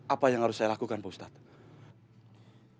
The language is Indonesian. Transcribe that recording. apa yang harus saya lakukan pak ustadz